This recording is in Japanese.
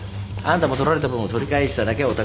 あんたも取られた分を取り返しただけ。